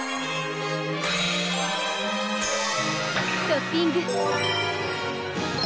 トッピング！